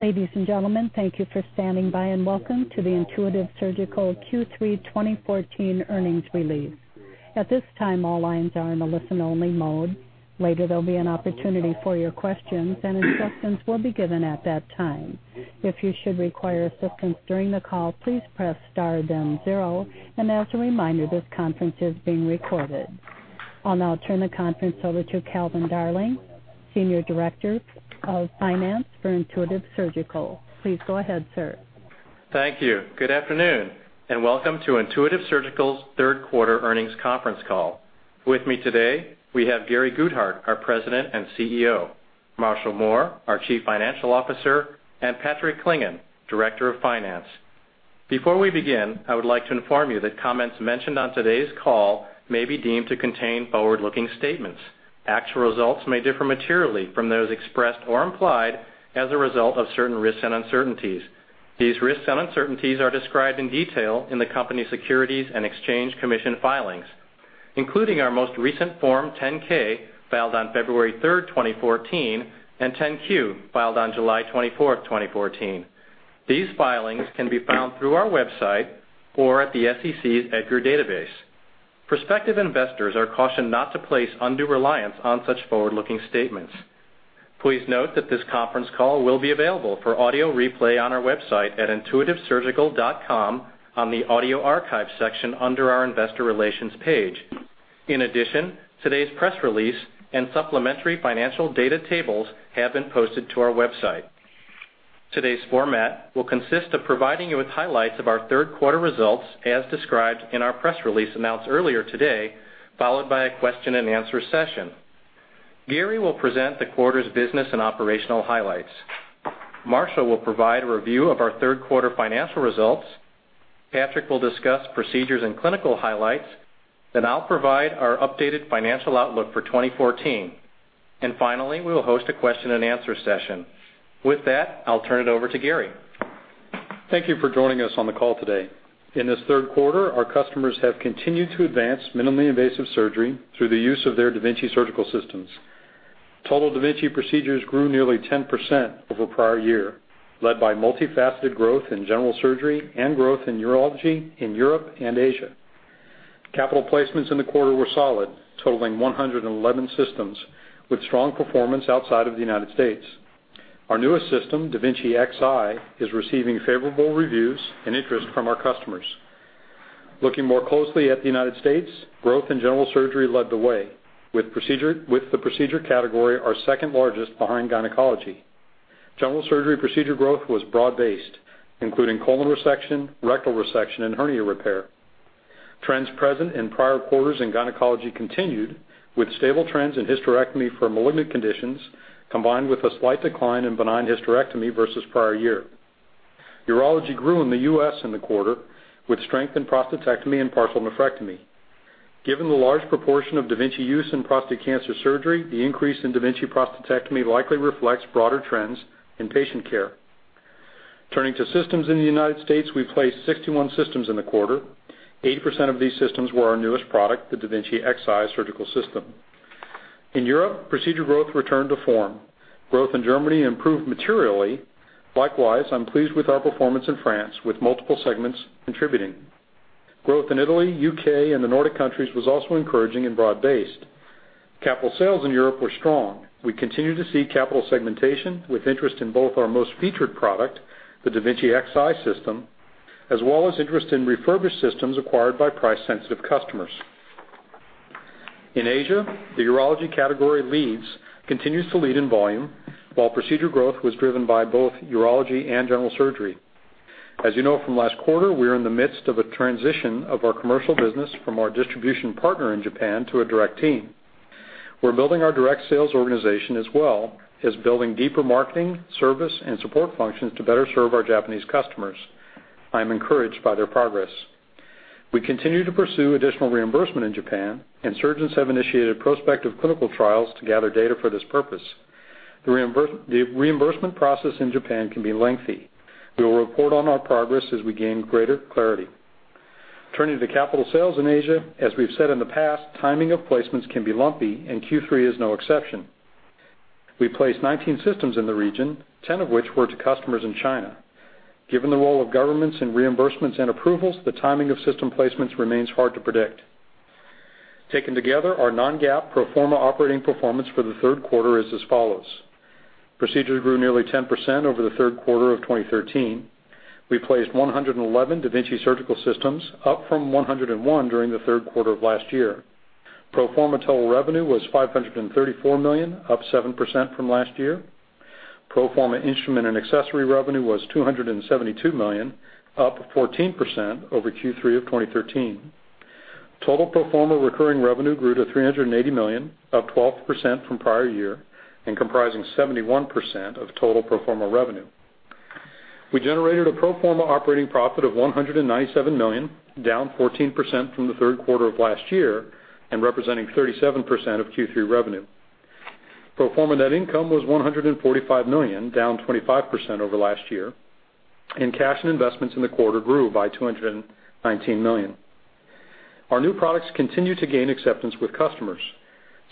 Ladies and gentlemen, thank you for standing by and welcome to the Intuitive Surgical Q3 2014 earnings release. At this time, all lines are in a listen-only mode. Later, there will be an opportunity for your questions, and instructions will be given at that time. If you should require assistance during the call, please press star then zero, and as a reminder, this conference is being recorded. I will now turn the conference over to Calvin Darling, Senior Director of Finance for Intuitive Surgical. Please go ahead, sir. Thank you. Good afternoon and welcome to Intuitive Surgical's third quarter earnings conference call. With me today, we have Gary Guthart, our President and CEO, Marshall Mohr, our Chief Financial Officer, and Patrick Clingan, Director of Finance. Before we begin, I would like to inform you that comments mentioned on today's call may be deemed to contain forward-looking statements. Actual results may differ materially from those expressed or implied as a result of certain risks and uncertainties. These risks and uncertainties are described in detail in the company's Securities and Exchange Commission filings, including our most recent Form 10-K filed on February 3rd, 2014, and 10-Q, filed on July 24th, 2014. These filings can be found through our website or at the SEC's EDGAR database. Prospective investors are cautioned not to place undue reliance on such forward-looking statements. Please note that this conference call will be available for audio replay on our website at intuitive.com on the Audio Archive section under our Investor Relations page. In addition, today's press release and supplementary financial data tables have been posted to our website. Today's format will consist of providing you with highlights of our third quarter results as described in our press release announced earlier today, followed by a question-and-answer session. Gary will present the quarter's business and operational highlights. Marshall will provide a review of our third quarter financial results. Patrick will discuss procedures and clinical highlights. I will provide our updated financial outlook for 2014. Finally, we will host a question-and-answer session. With that, I will turn it over to Gary. Thank you for joining us on the call today. In this third quarter, our customers have continued to advance minimally invasive surgery through the use of their da Vinci surgical systems. Total da Vinci procedures grew nearly 10% over prior year, led by multifaceted growth in general surgery and growth in urology in Europe and Asia. Capital placements in the quarter were solid, totaling 111 systems, with strong performance outside of the United States. Our newest system, da Vinci Xi, is receiving favorable reviews and interest from our customers. Looking more closely at the United States, growth in general surgery led the way, with the procedure category our second largest behind gynecology. General surgery procedure growth was broad-based, including colon resection, rectal resection, and hernia repair. Trends present in prior quarters in gynecology continued with stable trends in hysterectomy for malignant conditions, combined with a slight decline in benign hysterectomy versus prior year. Urology grew in the U.S. in the quarter with strength in prostatectomy and partial nephrectomy. Given the large proportion of da Vinci use in prostate cancer surgery, the increase in da Vinci prostatectomy likely reflects broader trends in patient care. Turning to systems in the United States, we placed 61 systems in the quarter. 80% of these systems were our newest product, the da Vinci Xi surgical system. In Europe, procedure growth returned to form. Growth in Germany improved materially. Likewise, I'm pleased with our performance in France, with multiple segments contributing. Growth in Italy, U.K., and the Nordic countries was also encouraging and broad-based. Capital sales in Europe were strong. We continue to see capital segmentation with interest in both our most featured product, the da Vinci Xi system, as well as interest in refurbished systems acquired by price-sensitive customers. In Asia, the urology category continues to lead in volume, while procedure growth was driven by both urology and general surgery. As you know from last quarter, we are in the midst of a transition of our commercial business from our distribution partner in Japan to a direct team. We're building our direct sales organization as well as building deeper marketing, service, and support functions to better serve our Japanese customers. I am encouraged by their progress. We continue to pursue additional reimbursement in Japan, and surgeons have initiated prospective clinical trials to gather data for this purpose. The reimbursement process in Japan can be lengthy. We will report on our progress as we gain greater clarity. Turning to capital sales in Asia, as we've said in the past, timing of placements can be lumpy, and Q3 is no exception. We placed 19 systems in the region, 10 of which were to customers in China. Given the role of governments in reimbursements and approvals, the timing of system placements remains hard to predict. Taken together, our non-GAAP pro forma operating performance for the third quarter is as follows. Procedures grew nearly 10% over the third quarter of 2013. We placed 111 da Vinci surgical systems, up from 101 during the third quarter of last year. Pro forma total revenue was $534 million, up 7% from last year. Pro forma instrument and accessory revenue was $272 million, up 14% over Q3 of 2013. Total pro forma recurring revenue grew to $380 million, up 12% from prior year and comprising 71% of total pro forma revenue. We generated a pro forma operating profit of $197 million, down 14% from the third quarter of last year and representing 37% of Q3 revenue. Pro forma net income was $145 million, down 25% over last year, and cash and investments in the quarter grew by $219 million. Our new products continue to gain acceptance with customers.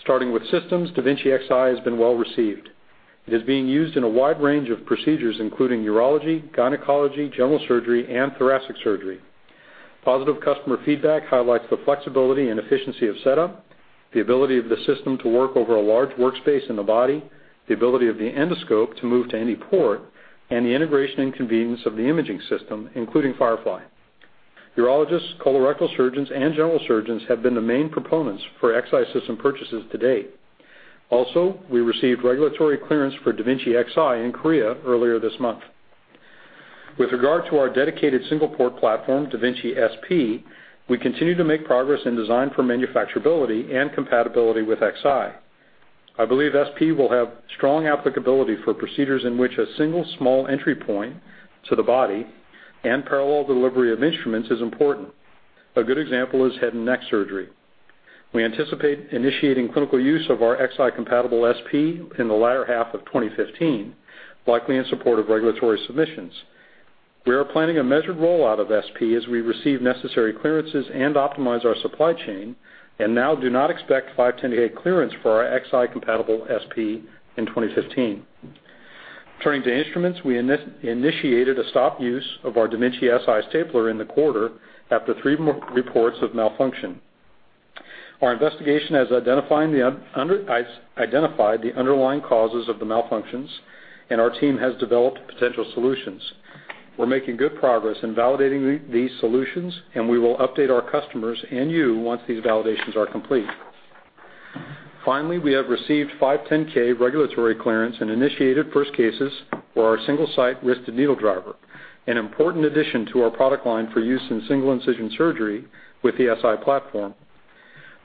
Starting with systems, da Vinci Xi has been well received. It is being used in a wide range of procedures, including urology, gynecology, general surgery, and thoracic surgery. Positive customer feedback highlights the flexibility and efficiency of setup, the ability of the system to work over a large workspace in the body, the ability of the endoscope to move to any port, and the integration and convenience of the imaging system, including Firefly. Urologists, colorectal surgeons, and general surgeons have been the main proponents for Xi system purchases to date. Also, we received regulatory clearance for da Vinci Xi in Korea earlier this month. With regard to our dedicated single-port platform, da Vinci SP, we continue to make progress in design for manufacturability and compatibility with Xi. I believe SP will have strong applicability for procedures in which a single small entry point to the body and parallel delivery of instruments is important. A good example is head and neck surgery. We anticipate initiating clinical use of our Xi-compatible SP in the latter half of 2015, likely in support of regulatory submissions. We are planning a measured rollout of SP as we receive necessary clearances and optimize our supply chain and now do not expect 510 clearance for our Xi-compatible SP in 2015. Turning to instruments, we initiated a stop use of our da Vinci Si stapler in the quarter after three reports of malfunction. Our investigation has identified the underlying causes of the malfunctions, and our team has developed potential solutions. We're making good progress in validating these solutions, and we will update our customers and you once these validations are complete. Finally, we have received 510 regulatory clearance and initiated first cases for our Single-Site Wristed Needle Driver, an important addition to our product line for use in single-incision surgery with the Si platform.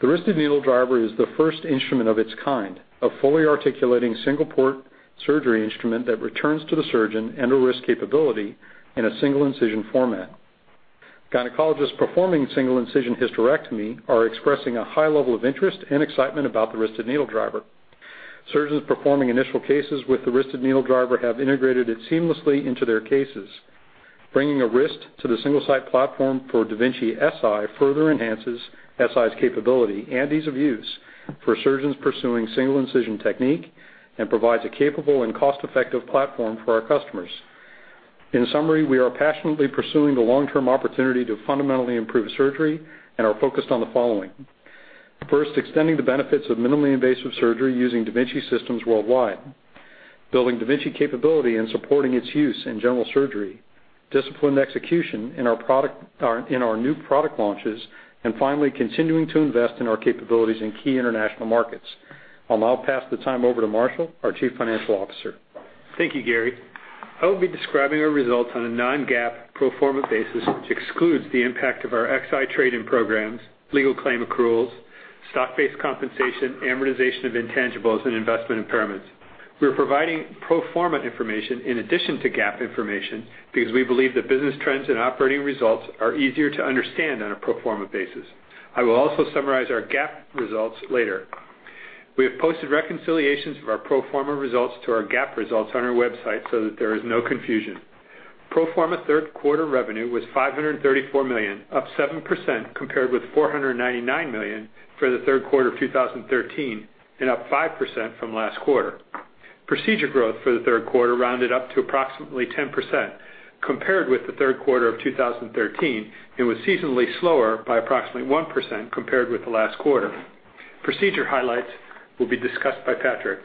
The Wristed Needle Driver is the first instrument of its kind, a fully articulating single-port surgery instrument that returns to the surgeon and a wrist capability in a single-incision format. Gynecologists performing single-incision hysterectomy are expressing a high level of interest and excitement about the Wristed Needle Driver. Surgeons performing initial cases with the Wristed Needle Driver have integrated it seamlessly into their cases. Bringing a wrist to the single-site platform for da Vinci Si further enhances Si's capability and ease of use for surgeons pursuing single-incision technique and provides a capable and cost-effective platform for our customers. In summary, we are passionately pursuing the long-term opportunity to fundamentally improve surgery and are focused on the following. First, extending the benefits of minimally invasive surgery using da Vinci systems worldwide. Building da Vinci capability and supporting its use in general surgery. Disciplined execution in our new product launches. Finally, continuing to invest in our capabilities in key international markets. I'll now pass the time over to Marshall, our chief financial officer. Thank you, Gary. I will be describing our results on a non-GAAP pro forma basis, which excludes the impact of our Xi trade-in programs, legal claim accruals, stock-based compensation, amortization of intangibles, and investment impairments. We're providing pro forma information in addition to GAAP information because we believe the business trends and operating results are easier to understand on a pro forma basis. I will also summarize our GAAP results later. We have posted reconciliations of our pro forma results to our GAAP results on our website so that there is no confusion. Pro forma third quarter revenue was $534 million, up 7% compared with $499 million for the third quarter of 2013 and up 5% from last quarter. Procedure growth for the third quarter rounded up to approximately 10% compared with the third quarter of 2013 and was seasonally slower by approximately 1% compared with the last quarter. Procedure highlights will be discussed by Patrick.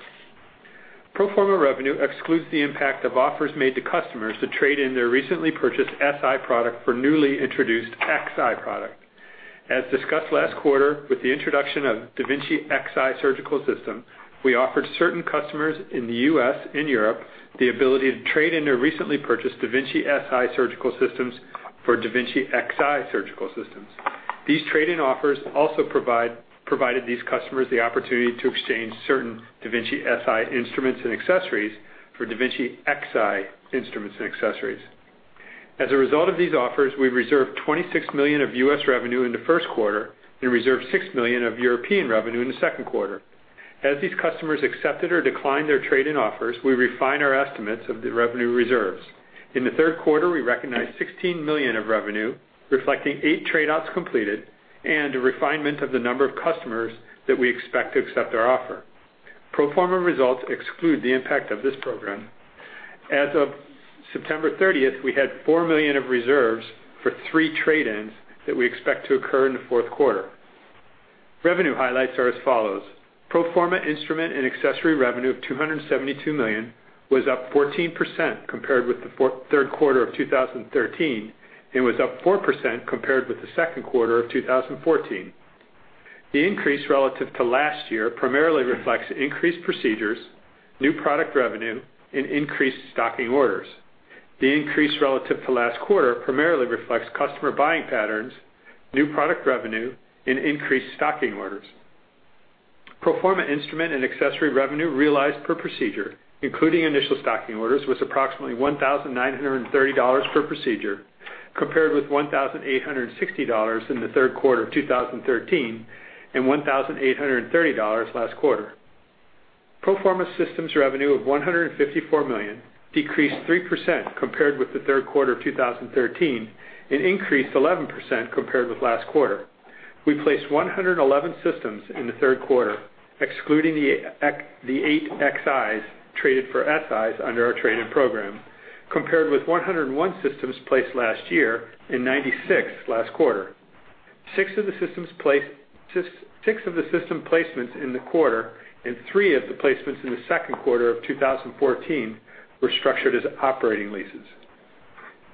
Pro forma revenue excludes the impact of offers made to customers to trade in their recently purchased Si for newly introduced Xi. As discussed last quarter, with the introduction of da Vinci Xi surgical system, we offered certain customers in the U.S. and Europe the ability to trade in their recently purchased da Vinci Si surgical systems for da Vinci Xi surgical systems. These trade-in offers also provided these customers the opportunity to exchange certain da Vinci Si instruments and accessories for da Vinci Xi instruments and accessories. As a result of these offers, we reserved $26 million of U.S. revenue in the first quarter and reserved $6 million of European revenue in the second quarter. As these customers accepted or declined their trade-in offers, we refined our estimates of the revenue reserves. In the third quarter, we recognized $16 million of revenue, reflecting eight trade-outs completed and a refinement of the number of customers that we expect to accept our offer. Pro forma results exclude the impact of this program. As of September 30th, we had $4 million in reserves for three trade-ins that we expect to occur in the fourth quarter. Revenue highlights are as follows. Pro forma instrument and accessory revenue of $272 million was up 14% compared with the third quarter of 2013 and was up 4% compared with the second quarter of 2014. The increase relative to last year primarily reflects increased procedures, new product revenue, and increased stocking orders. The increase relative to last quarter primarily reflects customer buying patterns, new product revenue, and increased stocking orders. Pro forma instrument and accessory revenue realized per procedure, including initial stocking orders, was approximately $1,930 per procedure, compared with $1,860 in the third quarter of 2013 and $1,830 last quarter. Pro forma systems revenue of $154 million decreased 3% compared with the third quarter of 2013 and increased 11% compared with last quarter. We placed 111 systems in the third quarter, excluding the eight Xis traded for Sis under our trade-in program, compared with 101 systems placed last year and 96 last quarter. Six of the system placements in the quarter and three of the placements in the second quarter of 2014 were structured as operating leases.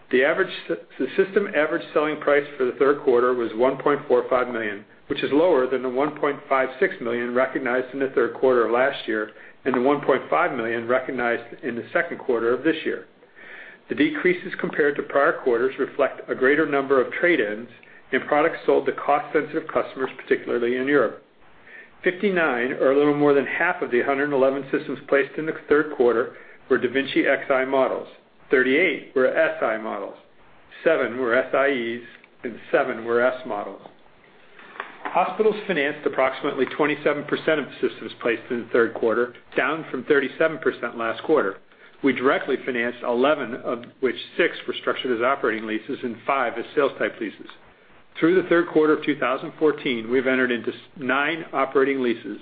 The system average selling price for the third quarter was $1.45 million, which is lower than the $1.56 million recognized in the third quarter of last year and the $1.5 million recognized in the second quarter of this year. The decreases compared to prior quarters reflect a greater number of trade-ins and products sold to cost-sensitive customers, particularly in Europe. 59, or a little more than half of the 111 systems placed in the third quarter, were da Vinci Xi models, 38 were Si models, seven were SIEs, and seven were S models. Hospitals financed approximately 27% of the systems placed in the third quarter, down from 37% last quarter. We directly financed 11, of which six were structured as operating leases and five as sales type leases. Through the third quarter of 2014, we've entered into nine operating leases.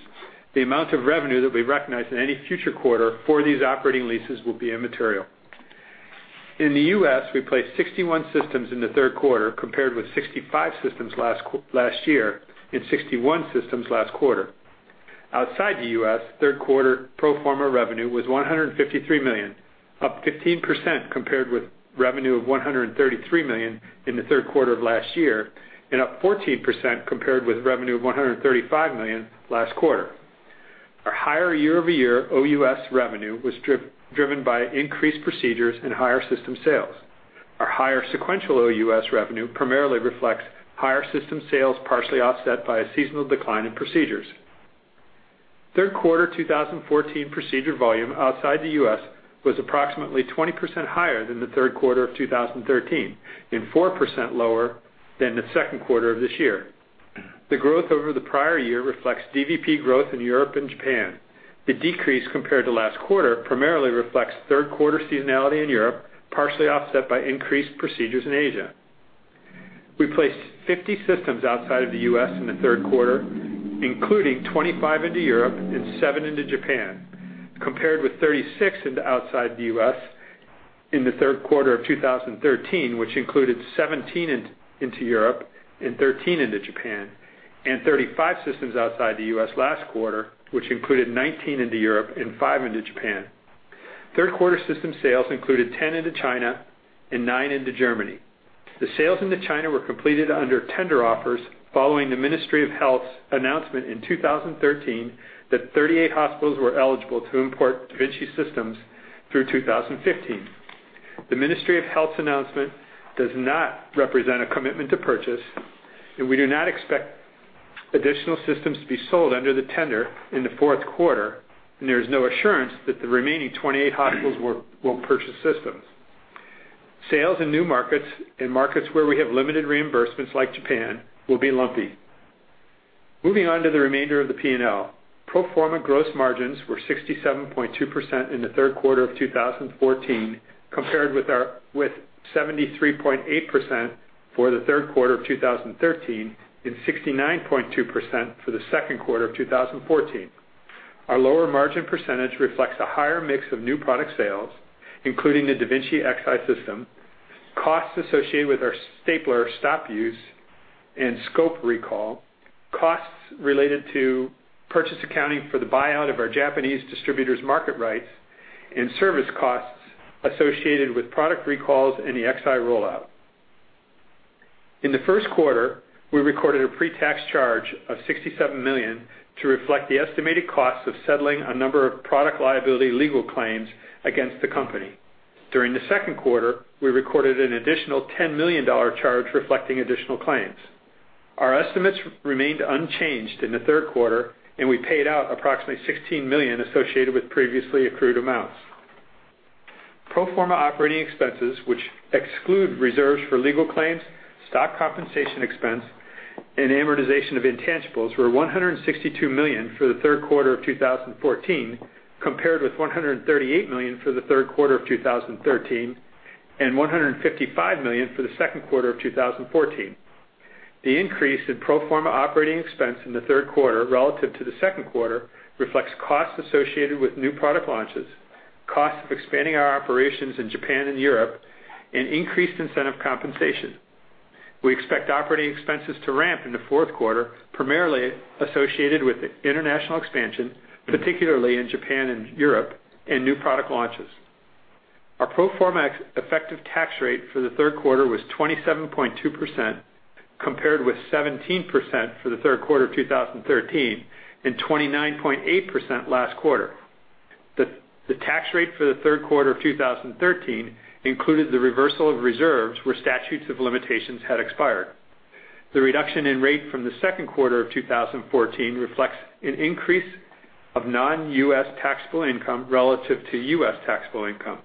The amount of revenue that we recognize in any future quarter for these operating leases will be immaterial. In the U.S., we placed 61 systems in the third quarter, compared with 65 systems last year and 61 systems last quarter. Outside the U.S., third quarter pro forma revenue was $153 million, up 15% compared with revenue of $133 million in the third quarter of last year and up 14% compared with revenue of $135 million last quarter. Our higher year-over-year OUS revenue was driven by increased procedures and higher system sales. Our higher sequential OUS revenue primarily reflects higher system sales, partially offset by a seasonal decline in procedures. Third quarter 2014 procedure volume outside the U.S. was approximately 20% higher than the third quarter of 2013 and 4% lower than the second quarter of this year. The growth over the prior year reflects DVP growth in Europe and Japan. The decrease compared to last quarter primarily reflects third quarter seasonality in Europe, partially offset by increased procedures in Asia. We placed 50 systems outside of the U.S. in the third quarter, including 25 into Europe and seven into Japan, compared with 36 outside the U.S. in the third quarter of 2013, which included 17 into Europe and 13 into Japan, and 35 systems outside the U.S. last quarter, which included 19 into Europe and five into Japan. Third quarter system sales included 10 into China and nine into Germany. The sales into China were completed under tender offers following the Ministry of Health's announcement in 2013 that 38 hospitals were eligible to import da Vinci systems through 2015. The Ministry of Health's announcement does not represent a commitment to purchase. We do not expect additional systems to be sold under the tender in the fourth quarter. There is no assurance that the remaining 28 hospitals will purchase systems. Sales in new markets and markets where we have limited reimbursements, like Japan, will be lumpy. Moving on to the remainder of the P&L. Pro forma gross margins were 67.2% in the third quarter of 2014 compared with 73.8% for the third quarter of 2013 and 69.2% for the second quarter of 2014. Our lower margin percentage reflects a higher mix of new product sales, including the da Vinci Xi system, costs associated with our stapler stop use and scope recall, costs related to purchase accounting for the buyout of our Japanese distributor's market rights, and service costs associated with product recalls and the Xi rollout. In the first quarter, we recorded a pre-tax charge of $67 million to reflect the estimated costs of settling a number of product liability legal claims against the company. During the second quarter, we recorded an additional $10 million charge reflecting additional claims. Our estimates remained unchanged in the third quarter. We paid out approximately $16 million associated with previously accrued amounts. Pro forma operating expenses, which exclude reserves for legal claims, stock compensation expense, and amortization of intangibles, were $162 million for the third quarter of 2014, compared with $138 million for the third quarter of 2013 and $155 million for the second quarter of 2014. The increase in pro forma operating expense in the third quarter relative to the second quarter reflects costs associated with new product launches, costs of expanding our operations in Japan and Europe, and increased incentive compensation. We expect operating expenses to ramp in the fourth quarter, primarily associated with international expansion, particularly in Japan and Europe, and new product launches. Our pro forma effective tax rate for the third quarter was 27.2%, compared with 17% for the third quarter of 2013 and 29.8% last quarter. The tax rate for the third quarter of 2013 included the reversal of reserves where statutes of limitations had expired. The reduction in rate from the second quarter of 2014 reflects an increase of non-U.S. taxable income relative to U.S. taxable income.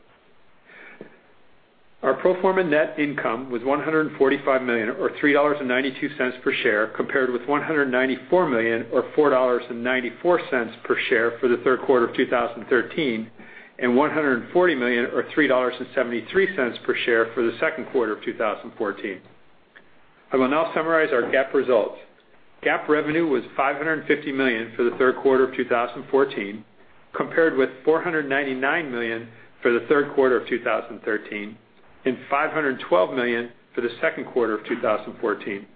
Our pro forma net income was $145 million, or $3.92 per share, compared with $194 million, or $4.94 per share for the third quarter of 2013, and $140 million or $3.73 per share for the second quarter of 2014. I will now summarize our GAAP results. GAAP revenue was $550 million for the third quarter of 2014, compared with $499 million for the third quarter of 2013, and $512 million for the second quarter of 2014.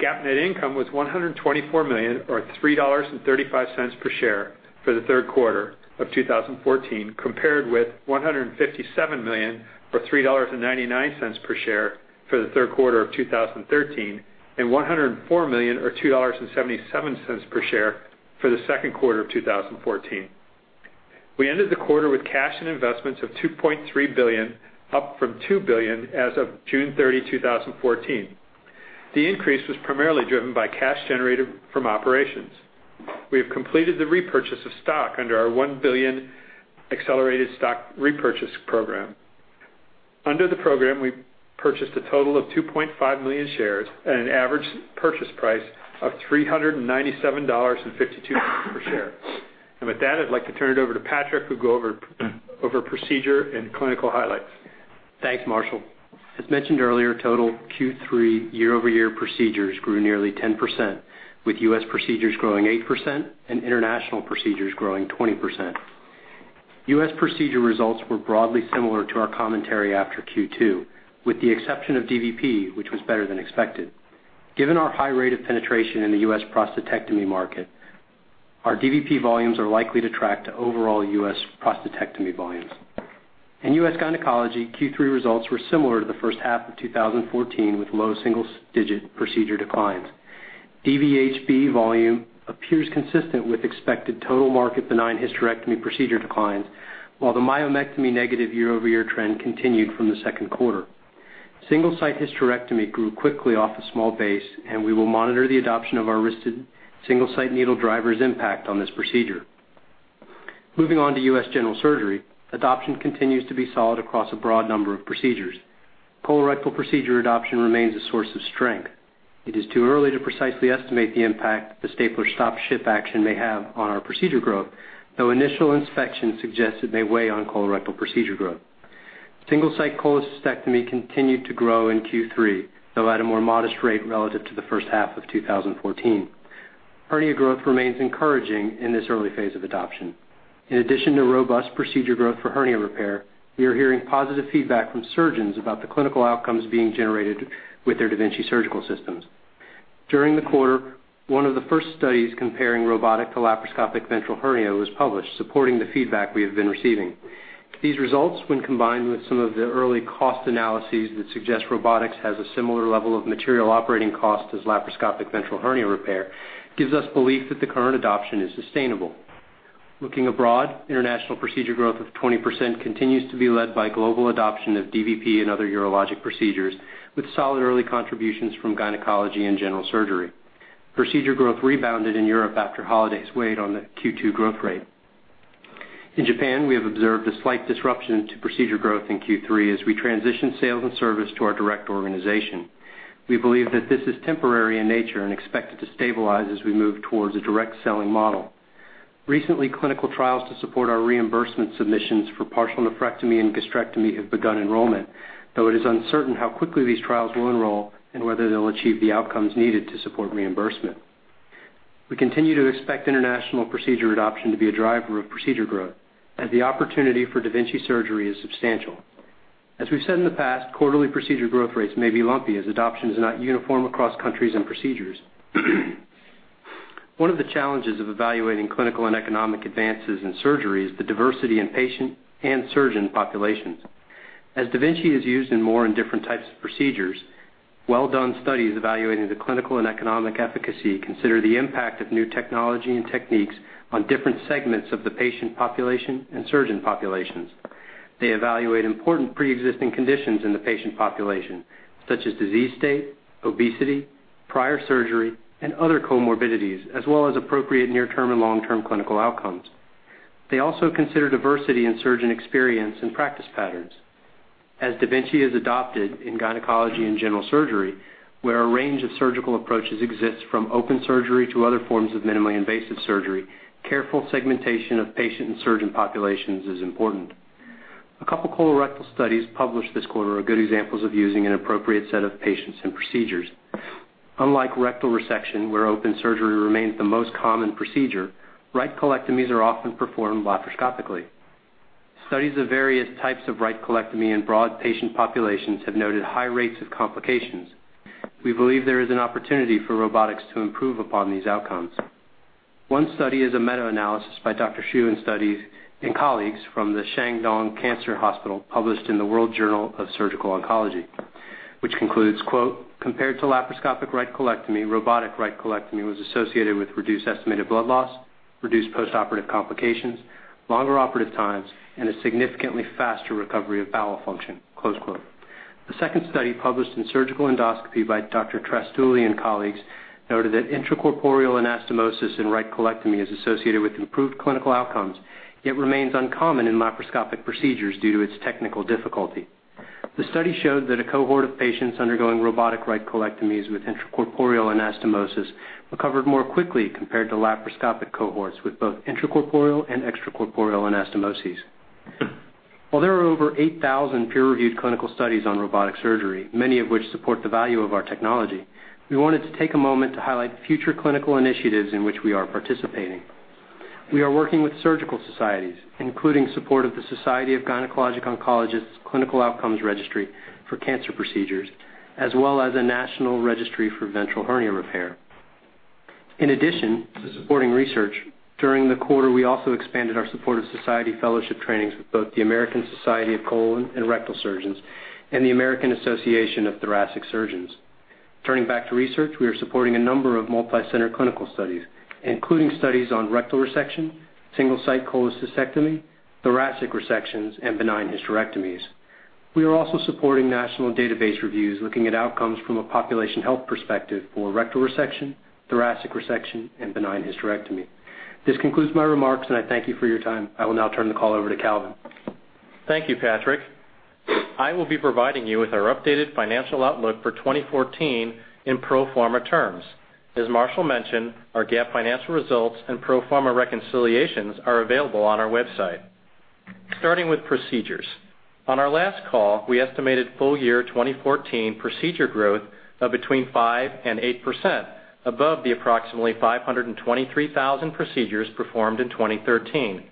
GAAP net income was $124 million, or $3.35 per share for the third quarter of 2014, compared with $157 million or $3.99 per share for the third quarter of 2013, and $104 million or $2.77 per share for the second quarter of 2014. We ended the quarter with cash and investments of $2.3 billion, up from $2 billion as of June 30, 2014. The increase was primarily driven by cash generated from operations. We have completed the repurchase of stock under our $1 billion accelerated stock repurchase program. Under the program, we purchased a total of 2.5 million shares at an average purchase price of $397.52 per share. With that, I'd like to turn it over to Patrick, who'll go over procedure and clinical highlights. Thanks, Marshall. As mentioned earlier, total Q3 year-over-year procedures grew nearly 10%, with U.S. procedures growing 8% and international procedures growing 20%. U.S. procedure results were broadly similar to our commentary after Q2, with the exception of DVP, which was better than expected. Given our high rate of penetration in the U.S. prostatectomy market, our DVP volumes are likely to track to overall U.S. prostatectomy volumes. In U.S. gynecology, Q3 results were similar to the first half of 2014, with low single-digit procedure declines. DVHB volume appears consistent with expected total market benign hysterectomy procedure declines, while the myomectomy negative year-over-year trend continued from the second quarter. Single-site hysterectomy grew quickly off a small base, and we will monitor the adoption of our wristed Single-Site Needle Drivers' impact on this procedure. Moving on to U.S. general surgery, adoption continues to be solid across a broad number of procedures. Colorectal procedure adoption remains a source of strength. It is too early to precisely estimate the impact the stapler stop ship action may have on our procedure growth, though initial inspections suggest it may weigh on colorectal procedure growth. Single-site cholecystectomy continued to grow in Q3, though at a more modest rate relative to the first half of 2014. Hernia growth remains encouraging in this early phase of adoption. In addition to robust procedure growth for hernia repair, we are hearing positive feedback from surgeons about the clinical outcomes being generated with their da Vinci surgical systems. During the quarter, one of the first studies comparing robotic to laparoscopic ventral hernia was published, supporting the feedback we have been receiving. These results, when combined with some of the early cost analyses that suggest robotics has a similar level of material operating cost as laparoscopic ventral hernia repair, gives us belief that the current adoption is sustainable. Looking abroad, international procedure growth of 20% continues to be led by global adoption of DVP and other urologic procedures, with solid early contributions from gynecology and general surgery. Procedure growth rebounded in Europe after holidays weighed on the Q2 growth rate. In Japan, we have observed a slight disruption to procedure growth in Q3 as we transition sales and service to our direct organization. We believe that this is temporary in nature and expect it to stabilize as we move towards a direct selling model. Recently, clinical trials to support our reimbursement submissions for partial nephrectomy and gastrectomy have begun enrollment, though it is uncertain how quickly these trials will enroll and whether they'll achieve the outcomes needed to support reimbursement. We continue to expect international procedure adoption to be a driver of procedure growth, as the opportunity for da Vinci surgery is substantial. As we've said in the past, quarterly procedure growth rates may be lumpy as adoption is not uniform across countries and procedures. One of the challenges of evaluating clinical and economic advances in surgery is the diversity in patient and surgeon populations. As da Vinci is used in more and different types of procedures, well-done studies evaluating the clinical and economic efficacy consider the impact of new technology and techniques on different segments of the patient population and surgeon populations. They evaluate important preexisting conditions in the patient population, such as disease state, obesity, prior surgery, and other comorbidities, as well as appropriate near-term and long-term clinical outcomes. They also consider diversity in surgeon experience and practice patterns. As da Vinci is adopted in gynecology and general surgery, where a range of surgical approaches exists from open surgery to other forms of minimally invasive surgery, careful segmentation of patient and surgeon populations is important. A couple of colorectal studies published this quarter are good examples of using an appropriate set of patients and procedures. Unlike rectal resection, where open surgery remains the most common procedure, right colectomies are often performed laparoscopically. Studies of various types of right colectomy in broad patient populations have noted high rates of complications. We believe there is an opportunity for robotics to improve upon these outcomes. One study is a meta-analysis by Dr. Xu and colleagues from the Shandong Cancer Hospital, published in the "World Journal of Surgical Oncology," which concludes, "Compared to laparoscopic right colectomy, robotic right colectomy was associated with reduced estimated blood loss, reduced postoperative complications, longer operative times, and a significantly faster recovery of bowel function." The second study, published in Surgical Endoscopy by Dr. Trastulli and colleagues, noted that intracorporeal anastomosis in right colectomy is associated with improved clinical outcomes, yet remains uncommon in laparoscopic procedures due to its technical difficulty. The study showed that a cohort of patients undergoing robotic right colectomies with intracorporeal anastomosis recovered more quickly compared to laparoscopic cohorts with both intracorporeal and extracorporeal anastomoses. While there are over 8,000 peer-reviewed clinical studies on robotic surgery, many of which support the value of our technology, we wanted to take a moment to highlight future clinical initiatives in which we are participating. We are working with surgical societies, including support of the Society of Gynecologic Oncology's Clinical Outcomes Registry for cancer procedures, as well as a national registry for ventral hernia repair. In addition to supporting research, during the quarter, we also expanded our support of society fellowship trainings with both the American Society of Colon and Rectal Surgeons and the American Association for Thoracic Surgery. Turning back to research, we are supporting a number of multi-center clinical studies, including studies on rectal resection, single-site cholecystectomy, thoracic resections, and benign hysterectomies. We are also supporting national database reviews looking at outcomes from a population health perspective for rectal resection, thoracic resection, and benign hysterectomy. This concludes my remarks. I thank you for your time. I will now turn the call over to Calvin. Thank you, Patrick. I will be providing you with our updated financial outlook for 2014 in pro forma terms. As Marshall mentioned, our GAAP financial results and pro forma reconciliations are available on our website. Starting with procedures. On our last call, we estimated full-year 2014 procedure growth of between 5% and 8% above the approximately 523,000 procedures performed in 2013.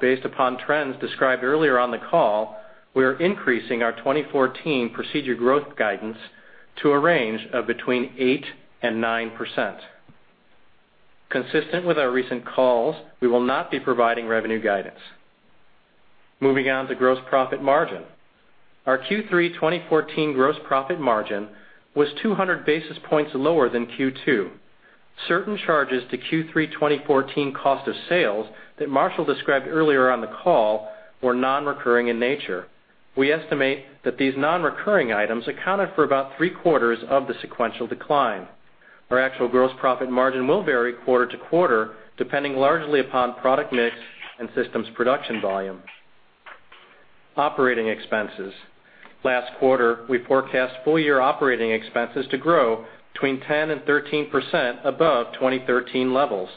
Based upon trends described earlier on the call, we are increasing our 2014 procedure growth guidance to a range of between 8% and 9%. Consistent with our recent calls, we will not be providing revenue guidance. Moving on to gross profit margin. Our Q3 2014 gross profit margin was 200 basis points lower than Q2. Certain charges to Q3 2014 cost of sales that Marshall described earlier on the call were non-recurring in nature. We estimate that these non-recurring items accounted for about three-quarters of the sequential decline. Our actual gross profit margin will vary quarter to quarter, depending largely upon product mix and systems production volume. Operating expenses. Last quarter, we forecast full-year operating expenses to grow between 10% and 13% above 2013 levels.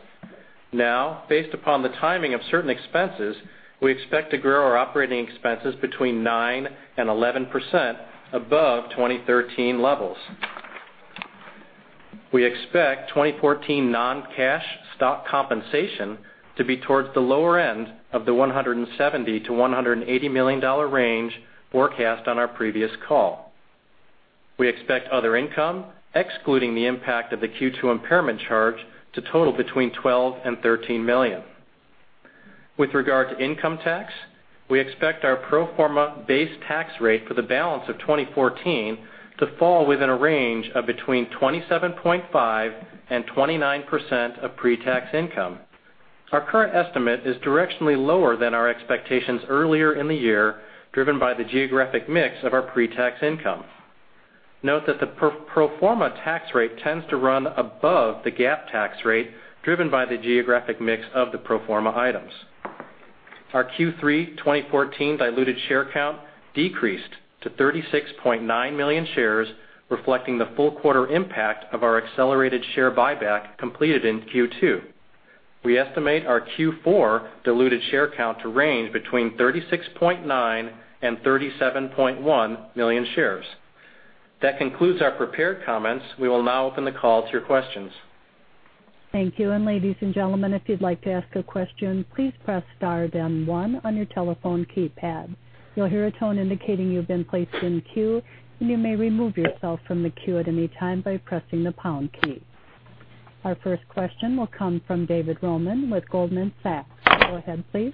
Based upon the timing of certain expenses, we expect to grow our operating expenses between 9% and 11% above 2013 levels. We expect 2014 non-cash stock compensation to be towards the lower end of the $170 million-$180 million range forecast on our previous call. We expect other income, excluding the impact of the Q2 impairment charge, to total between $12 million-$13 million. With regard to income tax, we expect our pro forma base tax rate for the balance of 2014 to fall within a range of between 27.5% and 29% of pre-tax income. Our current estimate is directionally lower than our expectations earlier in the year, driven by the geographic mix of our pre-tax income. Note that the pro forma tax rate tends to run above the GAAP tax rate, driven by the geographic mix of the pro forma items. Our Q3 2014 diluted share count decreased to 36.9 million shares, reflecting the full quarter impact of our accelerated share buyback completed in Q2. We estimate our Q4 diluted share count to range between 36.9 and 37.1 million shares. That concludes our prepared comments. We will now open the call to your questions. Thank you. Ladies and gentlemen, if you'd like to ask a question, please press star one on your telephone keypad. You'll hear a tone indicating you've been placed in queue, and you may remove yourself from the queue at any time by pressing the pound key. Our first question will come from David Roman with Goldman Sachs. Go ahead, please.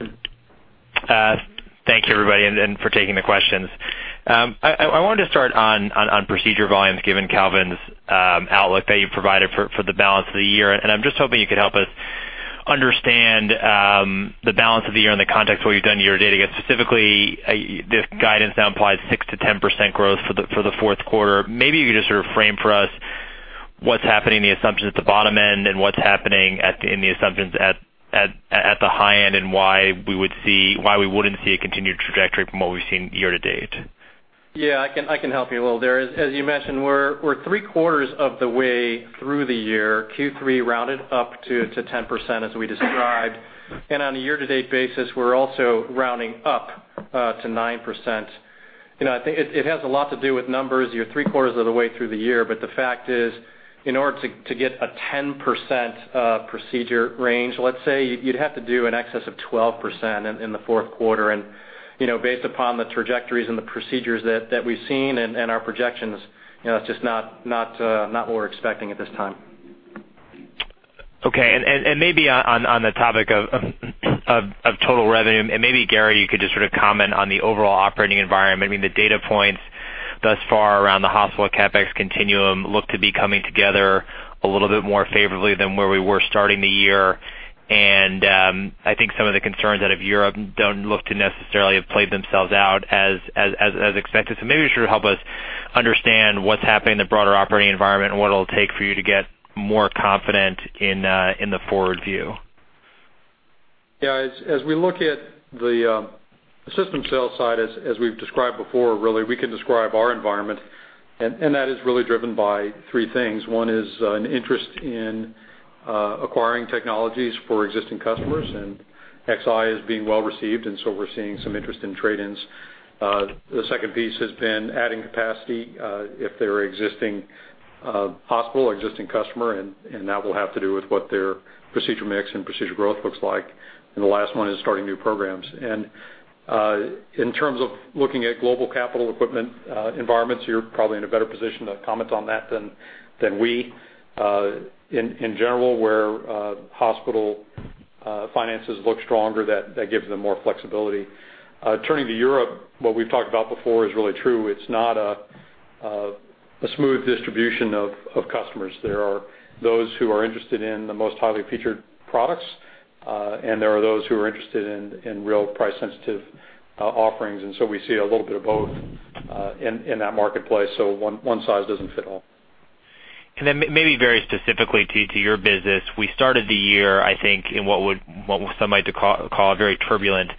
Thank you, everybody, for taking the questions. I wanted to start on procedure volumes, given Calvin's outlook that you provided for the balance of the year. I'm just hoping you could help us understand the balance of the year in the context of what you've done year to date. Specifically, this guidance now implies 6%-10% growth for the fourth quarter. Maybe you could just sort of frame for us what's happening in the assumptions at the bottom end, and what's happening in the assumptions at the high end, and why we wouldn't see a continued trajectory from what we've seen year to date. Yeah, I can help you a little there. As you mentioned, we're three-quarters of the way through the year. Q3 rounded up to 10%, as we described. On a year to date basis, we're also rounding up to 9%. It has a lot to do with numbers. You're three-quarters of the way through the year. The fact is, in order to get a 10% procedure range, let's say, you'd have to do in excess of 12% in the fourth quarter. Based upon the trajectories and the procedures that we've seen and our projections, it's just not what we're expecting at this time. Okay. Maybe on the topic of total revenue, maybe Gary, you could just sort of comment on the overall operating environment. I mean, the data points thus far around the hospital CapEx continuum look to be coming together a little bit more favorably than where we were starting the year. I think some of the concerns out of Europe don't look to necessarily have played themselves out as expected. Maybe you should help us understand what's happening in the broader operating environment and what it'll take for you to get more confident in the forward view. Yeah. As we look at the system sales side, as we've described before, really, we can describe our environment, that is really driven by three things. One is an interest in acquiring technologies for existing customers, Xi is being well-received, so we're seeing some interest in trade-ins. The second piece has been adding capacity if they're a existing hospital or existing customer, that will have to do with what their procedure mix and procedure growth looks like. The last one is starting new programs. In terms of looking at global capital equipment environments, you're probably in a better position to comment on that than we. In general, where hospital finances look stronger, that gives them more flexibility. Turning to Europe, what we've talked about before is really true. It's not a smooth distribution of customers. There are those who are interested in the most highly featured products, there are those who are interested in real price-sensitive offerings. So we see a little bit of both in that marketplace, so one size doesn't fit all. Maybe very specifically to your business, we started the year, I think, in what some might call a very turbulent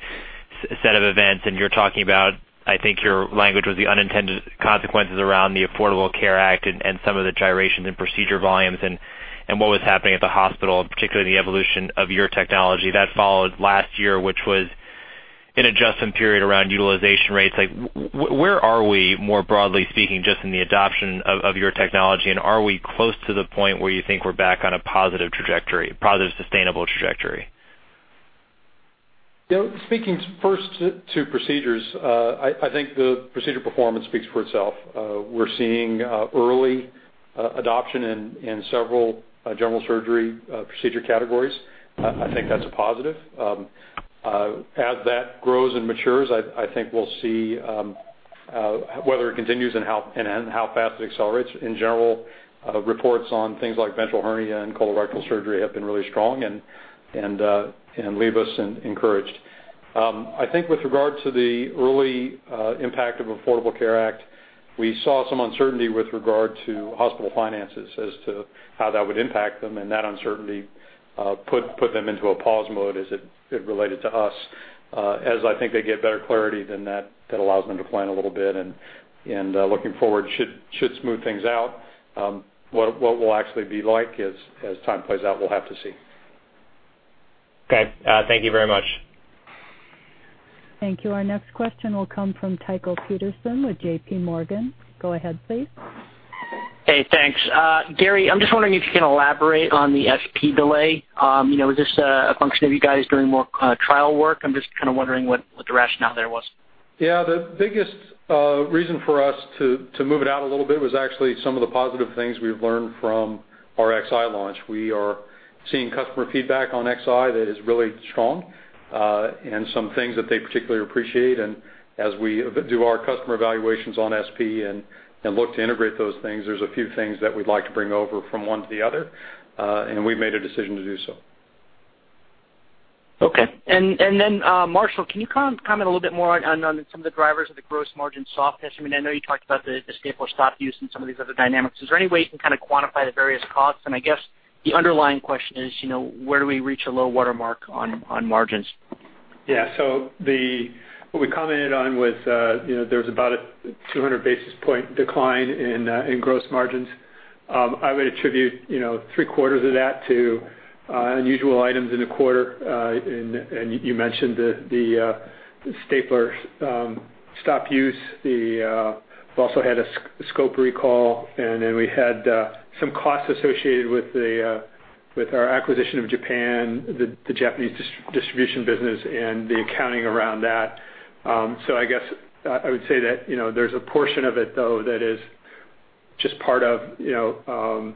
set of events, you're talking about, I think your language was the unintended consequences around the Affordable Care Act and some of the gyrations in procedure volumes and what was happening at the hospital, particularly the evolution of your technology. That followed last year, which was an adjustment period around utilization rates. Where are we, more broadly speaking, just in the adoption of your technology, are we close to the point where you think we're back on a positive trajectory, a positive, sustainable trajectory? Speaking first to procedures, I think the procedure performance speaks for itself. We're seeing early adoption in several general surgery procedure categories. I think that's a positive. As that grows and matures, I think we'll see whether it continues and how fast it accelerates. In general, reports on things like ventral hernia and colorectal surgery have been really strong and leave us encouraged. I think with regard to the early impact of Affordable Care Act, we saw some uncertainty with regard to hospital finances as to how that would impact them, and that uncertainty put them into a pause mode as it related to us. As I think they get better clarity, that allows them to plan a little bit, and looking forward, should smooth things out. What we'll actually be like as time plays out, we'll have to see. Thank you very much. Thank you. Our next question will come from Tycho Peterson with JPMorgan. Go ahead, please. Thanks. Gary, I'm just wondering if you can elaborate on the SP delay. Is this a function of you guys doing more trial work? I'm just kind of wondering what the rationale there was. Yeah. The biggest reason for us to move it out a little bit was actually some of the positive things we've learned from our Xi launch. We are seeing customer feedback on Xi that is really strong, and some things that they particularly appreciate. As we do our customer evaluations on SP and look to integrate those things, there's a few things that we'd like to bring over from one to the other, and we made a decision to do so. Okay. Marshall, can you comment a little bit more on some of the drivers of the gross margin softness? I know you talked about the stapler stop use and some of these other dynamics. Is there any way you can kind of quantify the various costs? I guess the underlying question is, where do we reach a low water mark on margins? Yeah. What we commented on was there was about a 200 basis point decline in gross margins. I would attribute three quarters of that to unusual items in the quarter. You mentioned the stapler stop use. We also had a scope recall, and then we had some costs associated with our acquisition of Japan, the Japanese distribution business, and the accounting around that. I guess I would say that there's a portion of it, though, that is just part of the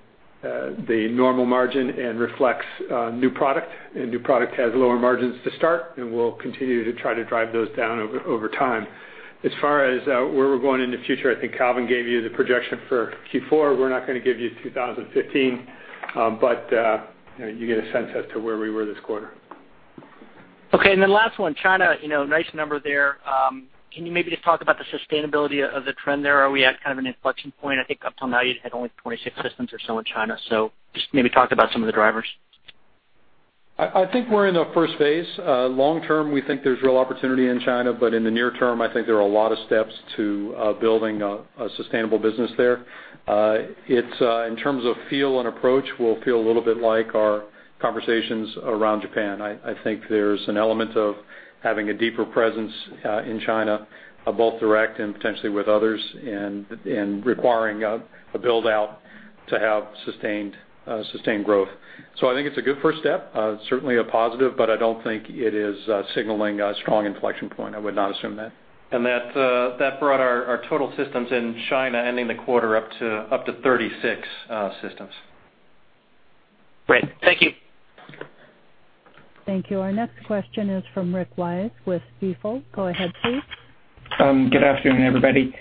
normal margin and reflects new product. New product has lower margins to start, and we'll continue to try to drive those down over time. As far as where we're going in the future, I think Calvin gave you the projection for Q4. We're not going to give you 2015, but you get a sense as to where we were this quarter. Okay, last one. China, nice number there. Can you maybe just talk about the sustainability of the trend there? Are we at kind of an inflection point? I think up till now you'd had only 26 systems or so in China. Just maybe talk about some of the drivers. I think we're in the phase 1. Long term, we think there's real opportunity in China, but in the near term, I think there are a lot of steps to building a sustainable business there. In terms of feel and approach, we'll feel a little bit like our conversations around Japan. I think there's an element of having a deeper presence in China, both direct and potentially with others, and requiring a build-out to have sustained growth. I think it's a good first step, certainly a positive, but I don't think it is signaling a strong inflection point. I would not assume that. That brought our total systems in China ending the quarter up to 36 systems. Great. Thank you. Thank you. Our next question is from Rick Wise with Stifel. Go ahead, please. Good afternoon, everybody.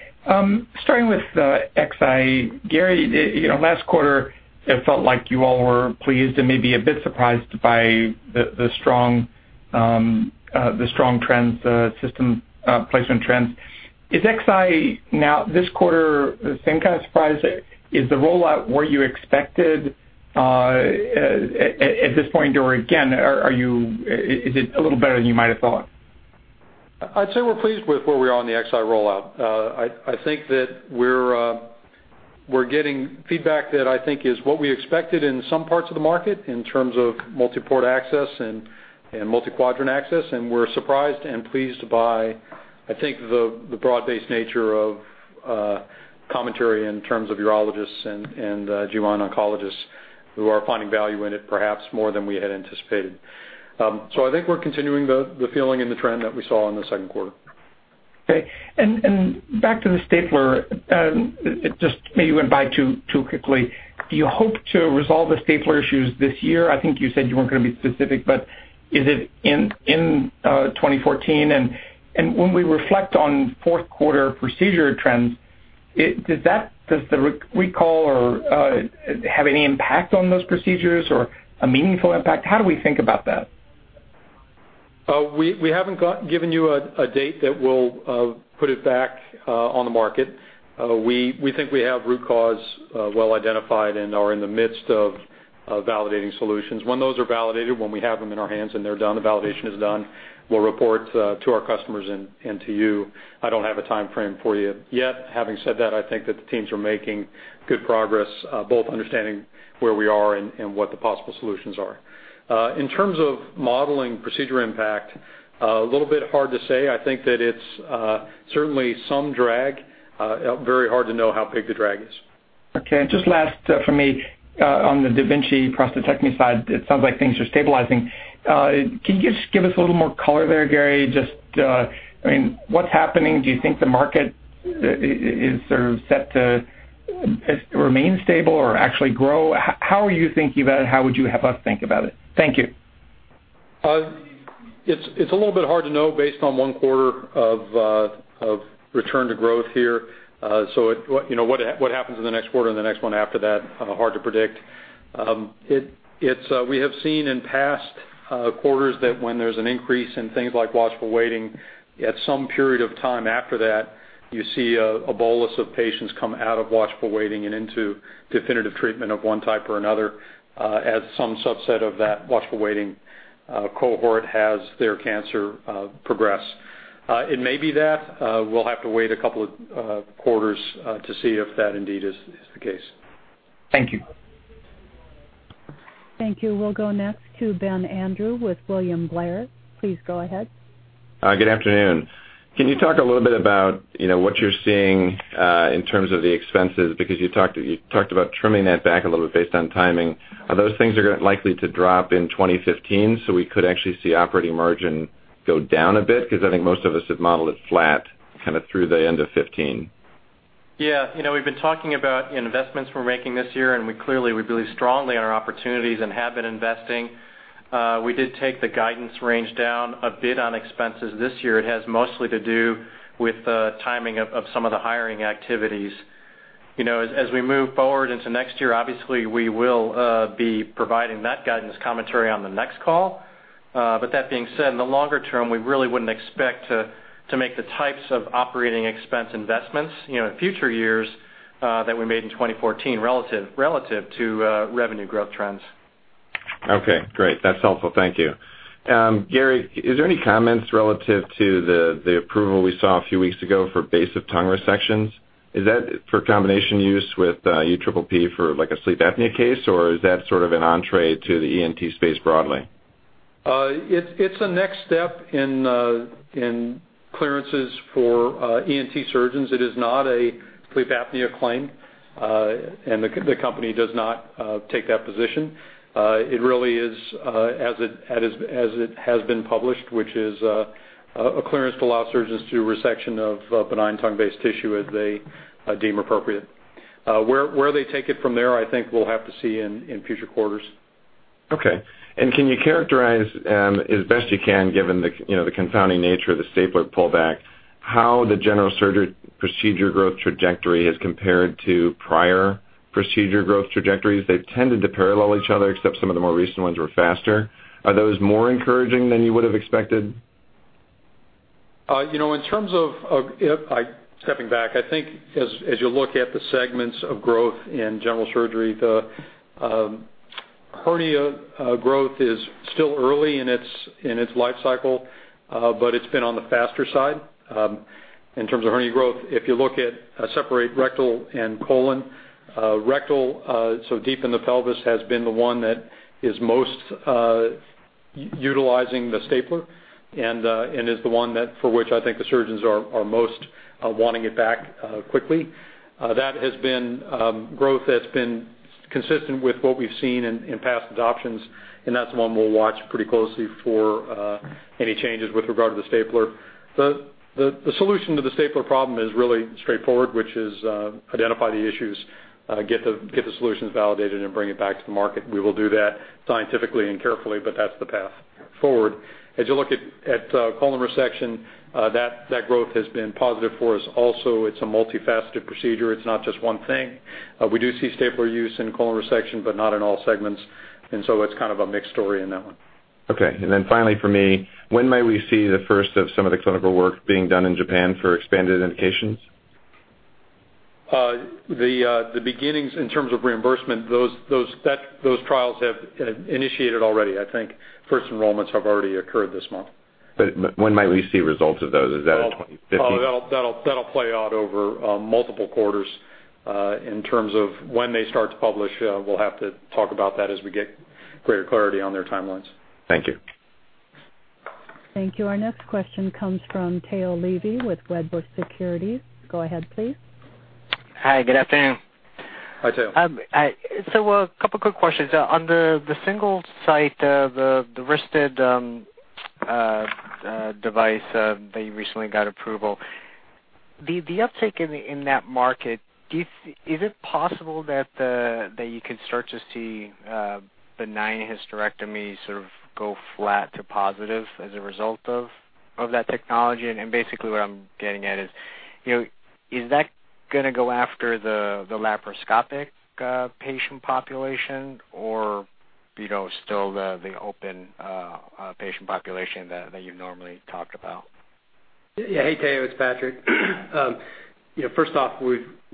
Starting with Xi, Gary, last quarter, it felt like you all were pleased and maybe a bit surprised by the strong system placement trends. Is Xi now, this quarter, the same kind of surprise? Is the rollout where you expected at this point? Again, is it a little better than you might have thought? I'd say we're pleased with where we are on the Xi rollout. I think that we're getting feedback that I think is what we expected in some parts of the market, in terms of multi-port access and multi-quadrant access. We're surprised and pleased by, I think, the broad-based nature of commentary in terms of urologists and GYN oncologists who are finding value in it perhaps more than we had anticipated. I think we're continuing the feeling and the trend that we saw in the second quarter. Okay. Back to the stapler. It just maybe went by too quickly. Do you hope to resolve the stapler issues this year? I think you said you weren't going to be specific, but is it in 2014? When we reflect on fourth quarter procedure trends, does the recall have any impact on those procedures, or a meaningful impact? How do we think about that? We haven't given you a date that we'll put it back on the market. We think we have root cause well identified and are in the midst of validating solutions. When those are validated, when we have them in our hands and they're done, the validation is done, we'll report to our customers and to you. I don't have a timeframe for you yet. Having said that, I think that the teams are making good progress, both understanding where we are and what the possible solutions are. In terms of modeling procedure impact, a little bit hard to say. I think that it's certainly some drag. Very hard to know how big the drag is. Okay, just last from me. On the da Vinci prostatectomy side, it sounds like things are stabilizing. Can you just give us a little more color there, Gary? Just, what's happening? Do you think the market is set to remain stable or actually grow? How are you thinking about it? How would you have us think about it? Thank you. It's a little bit hard to know based on one quarter of return to growth here. What happens in the next quarter and the next one after that, hard to predict. We have seen in past quarters that when there's an increase in things like watchful waiting, at some period of time after that, you see a bolus of patients come out of watchful waiting and into definitive treatment of one type or another, as some subset of that watchful waiting cohort has their cancer progress. It may be that. We'll have to wait a couple of quarters to see if that indeed is the case. Thank you. Thank you. We'll go next to Ben Andrew with William Blair. Please go ahead. Good afternoon. Can you talk a little bit about what you're seeing in terms of the expenses? You talked about trimming that back a little bit based on timing. Are those things likely to drop in 2015 so we could actually see operating margin go down a bit? I think most of us have modeled it flat kind of through the end of 2015. Yeah. We've been talking about investments we're making this year. Clearly, we believe strongly in our opportunities and have been investing. We did take the guidance range down a bit on expenses this year. It has mostly to do with the timing of some of the hiring activities. As we move forward into next year, obviously, we will be providing that guidance commentary on the next call. That being said, in the longer term, we really wouldn't expect to make the types of operating expense investments in future years that we made in 2014 relative to revenue growth trends. Okay, great. That's helpful. Thank you. Gary, is there any comments relative to the approval we saw a few weeks ago for base of tongue resections? Is that for combination use with UPPP for a sleep apnea case, or is that sort of an entrée to the ENT space broadly? It's a next step in clearances for ENT surgeons. It is not a sleep apnea claim. The company does not take that position. It really is as it has been published, which is a clearance to allow surgeons to do resection of benign tongue-based tissue as they deem appropriate. Where they take it from there, I think we'll have to see in future quarters. Okay. Can you characterize, as best you can given the confounding nature of the stapler pullback, how the general surgery procedure growth trajectory has compared to prior procedure growth trajectories? They've tended to parallel each other, except some of the more recent ones were faster. Are those more encouraging than you would have expected? Stepping back, I think as you look at the segments of growth in general surgery, the hernia growth is still early in its life cycle. It's been on the faster side in terms of hernia growth. If you look at separate rectal and colon, rectal, so deep in the pelvis, has been the one that is most utilizing the stapler and is the one for which I think the surgeons are most wanting it back quickly. That has been growth that's been consistent with what we've seen in past adoptions, and that's one we'll watch pretty closely for any changes with regard to the stapler. The solution to the stapler problem is really straightforward, which is identify the issues, get the solutions validated, and bring it back to the market. We will do that scientifically and carefully, but that's the path forward. As you look at colon resection, that growth has been positive for us also. It's a multifaceted procedure. It's not just one thing. We do see stapler use in colon resection, but not in all segments, so it's kind of a mixed story in that one. Okay, finally from me, when may we see the first of some of the clinical work being done in Japan for expanded indications? The beginnings in terms of reimbursement, those trials have initiated already. I think first enrollments have already occurred this month. When might we see results of those? Is that in 2015? That'll play out over multiple quarters. In terms of when they start to publish, we'll have to talk about that as we get greater clarity on their timelines. Thank you. Thank you. Our next question comes from Tao Levy with Wedbush Securities. Go ahead, please. Hi, good afternoon. Hi, Tao. A couple quick questions. On the Single-Site, the wristed device that you recently got approval, the uptake in that market, is it possible that you could start to see benign hysterectomy sort of go flat to positive as a result of that technology? Basically what I'm getting at is that going to go after the laparoscopic patient population or still the open patient population that you normally talk about? Hey, Tao, it's Patrick. First off,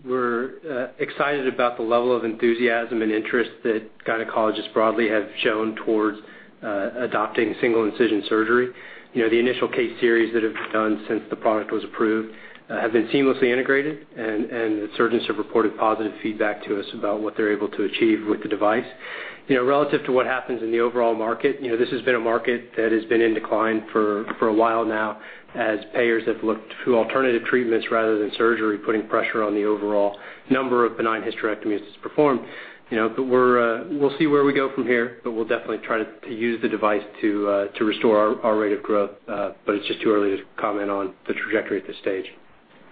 we're excited about the level of enthusiasm and interest that gynecologists broadly have shown towards adopting single-incision surgery. The initial case series that have been done since the product was approved have been seamlessly integrated, and the surgeons have reported positive feedback to us about what they're able to achieve with the device. Relative to what happens in the overall market, this has been a market that has been in decline for a while now, as payers have looked to alternative treatments rather than surgery, putting pressure on the overall number of benign hysterectomies performed. We'll see where we go from here, but we'll definitely try to use the device to restore our rate of growth. It's just too early to comment on the trajectory at this stage.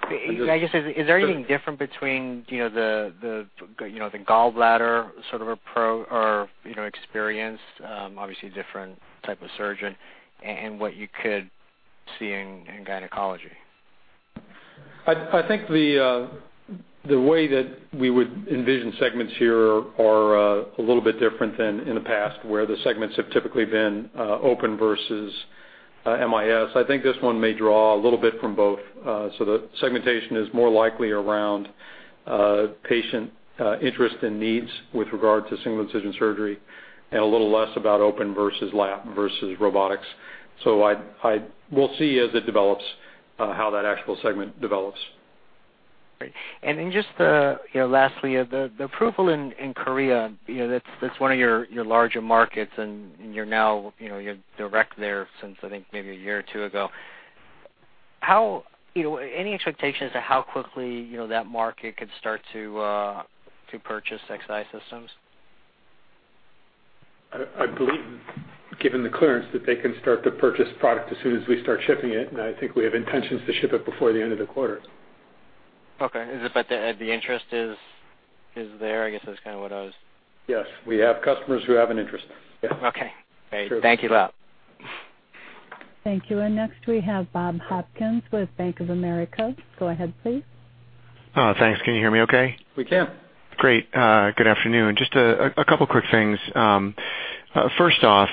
Is there anything different between the gallbladder sort of approach or experience, obviously different type of surgeon, and what you could see in gynecology? I think the way that we would envision segments here are a little bit different than in the past, where the segments have typically been open versus MIS. I think this one may draw a little bit from both. The segmentation is more likely around patient interest and needs with regard to single-incision surgery and a little less about open versus lap versus robotics. We'll see as it develops how that actual segment develops. Great. Just lastly, the approval in Korea, that's one of your larger markets, and you're now direct there since I think maybe a year or two ago. Any expectations of how quickly that market could start to purchase Xi systems? I believe, given the clearance, that they can start to purchase product as soon as we start shipping it, and I think we have intentions to ship it before the end of the quarter. Okay. The interest is there, I guess that's kind of what I was- Yes. We have customers who have an interest. Yes. Okay. Great. Thank you a lot. Thank you. Next we have Bob Hopkins with Bank of America. Go ahead, please. Thanks. Can you hear me okay? We can. Great. Good afternoon. Just a couple quick things. First off,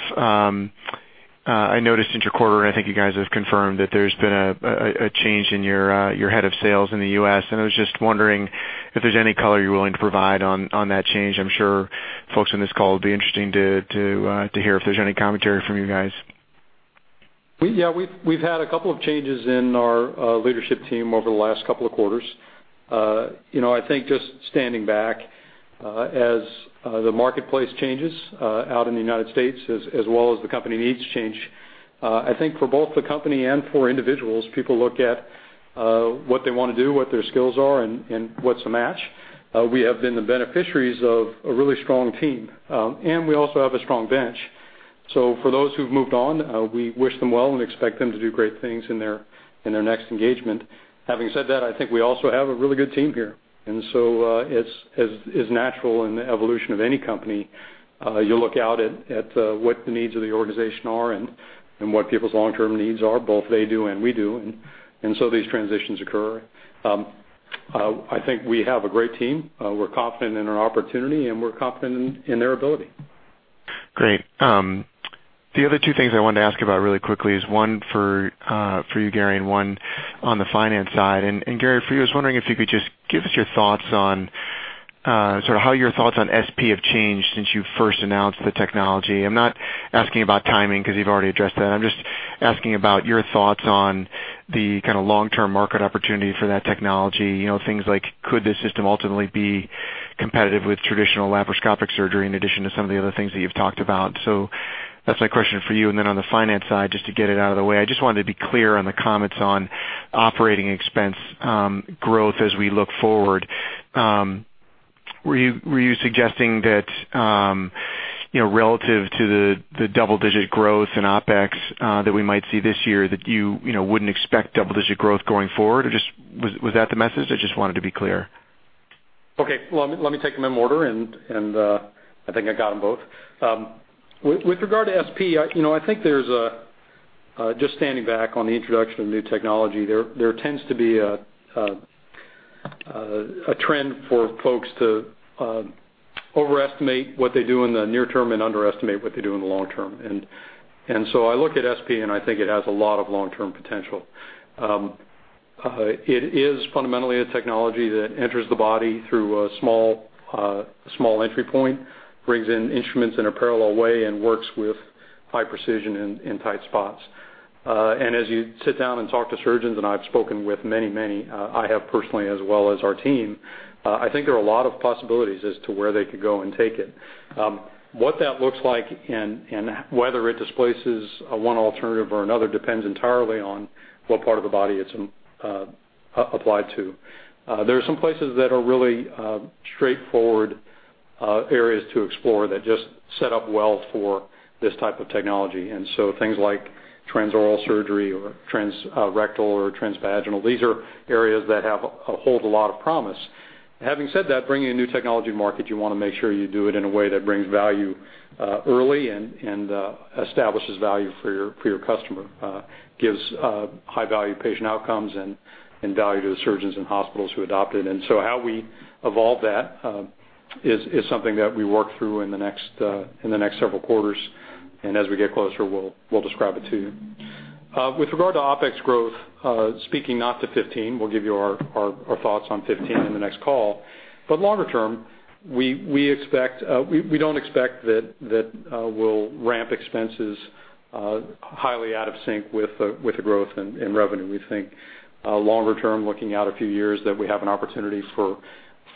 I noticed since your quarter, I think you guys have confirmed that there's been a change in your head of sales in the U.S., I was just wondering if there's any color you're willing to provide on that change. I'm sure folks on this call would be interested to hear if there's any commentary from you guys. Yeah, we've had a couple of changes in our leadership team over the last couple of quarters. I think just standing back as the marketplace changes out in the U.S. as well as the company needs to change, I think for both the company and for individuals, people look at what they want to do, what their skills are, and what's a match. We have been the beneficiaries of a really strong team, and we also have a strong bench. For those who've moved on, we wish them well and expect them to do great things in their next engagement. Having said that, I think we also have a really good team here, it's natural in the evolution of any company. You look out at what the needs of the organization are and what people's long-term needs are, both they do and we do, these transitions occur. I think we have a great team. We're confident in our opportunity, and we're confident in their ability. Great. The other two things I wanted to ask about really quickly is one for you, Gary, and one on the finance side. Gary, for you, I was wondering if you could just give us your thoughts on SP have changed since you first announced the technology. I'm not asking about timing because you've already addressed that. I'm just asking about your thoughts on the kind of long-term market opportunity for that technology. Things like, could this system ultimately be competitive with traditional laparoscopic surgery in addition to some of the other things that you've talked about? That's my question for you. On the finance side, just to get it out of the way, I just wanted to be clear on the comments on OpEx growth as we look forward. Were you suggesting that, relative to the double-digit growth in OpEx that we might see this year, that you wouldn't expect double-digit growth going forward? Was that the message? I just wanted to be clear. Okay. Well, let me take them in order, and I think I got them both. With regard to SP, I think there's a. Just standing back on the introduction of new technology, there tends to be a trend for folks to overestimate what they do in the near term and underestimate what they do in the long term. I look at SP, and I think it has a lot of long-term potential. It is fundamentally a technology that enters the body through a small entry point, brings in instruments in a parallel way, and works with high precision in tight spots. As you sit down and talk to surgeons, and I've spoken with many, I have personally, as well as our team, I think there are a lot of possibilities as to where they could go and take it. What that looks like and whether it displaces one alternative or another depends entirely on what part of the body it's applied to. There are some places that are really straightforward areas to explore that just set up well for this type of technology. Things like transoral surgery or transrectal or transvaginal, these are areas that hold a lot of promise. Having said that, bringing a new technology to market, you want to make sure you do it in a way that brings value early and establishes value for your customer, gives high-value patient outcomes, and value to the surgeons and hospitals who adopt it. How we evolve that is something that we work through in the next several quarters. As we get closer, we'll describe it to you. With regard to OpEx growth, speaking not to 2015, we'll give you our thoughts on 2015 in the next call, but longer term, we don't expect that we'll ramp expenses highly out of sync with the growth in revenue. We think longer term, looking out a few years, that we have an opportunity for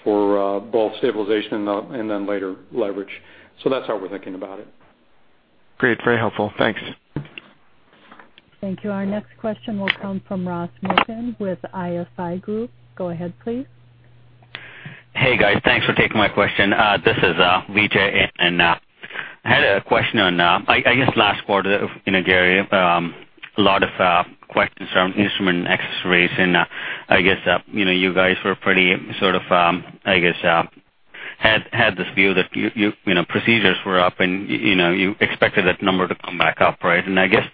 both stabilization and then later leverage. That's how we're thinking about it. Great. Very helpful. Thanks. Thank you. Our next question will come from Ross Muken with ISI Group. Go ahead, please. Hey, guys. Thanks for taking my question. This is Vijay. I had a question on, I guess, last quarter, Gary, a lot of questions from Instruments and accessories. I guess you guys were pretty sort of, I guess, had this view that procedures were up, and you expected that number to come back up, right? I guess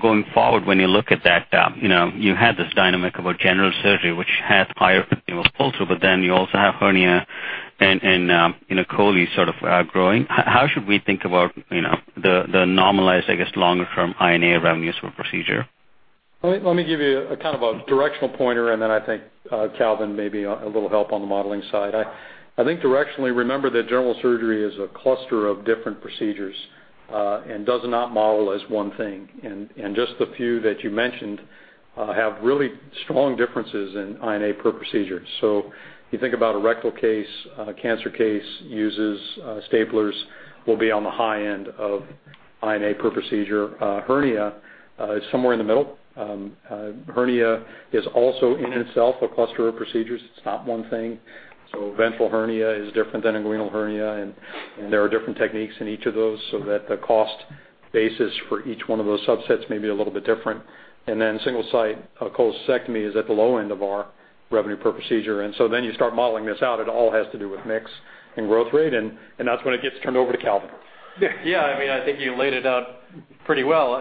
going forward, when you look at that, you had this dynamic about general surgery, which has higher also, but then you also have hernia and chole sort of growing. How should we think about the normalized, I guess, longer-term INA revenues per procedure? Let me give you a kind of a directional pointer, then I think Calvin maybe a little help on the modeling side. I think directionally, remember that general surgery is a cluster of different procedures and does not model as one thing. Just the few that you mentioned have really strong differences in INA per procedure. If you think about a rectal case, a cancer case uses staplers will be on the high end of INA per procedure. Hernia is somewhere in the middle. Hernia is also in itself a cluster of procedures. It's not one thing. Ventral hernia is different than inguinal hernia, and there are different techniques in each of those so that the cost basis for each one of those subsets may be a little bit different. Then Single-Site cholecystectomy is at the low end of our revenue per procedure. Then you start modeling this out. It all has to do with mix and growth rate, and that's when it gets turned over to Calvin. I think you laid it out pretty well.